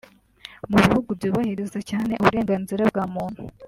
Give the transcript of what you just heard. Mu bihugu byubahiriza cyane uburenganzira bwa muntu